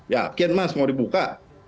ya kian mas mau dibuka